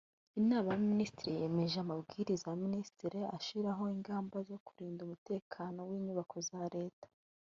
Inama y’Abaminisitiri yemeje Amabwiriza ya Minisitiri ashyiraho ingamba zo kurinda umutekano w’inyubako za Leta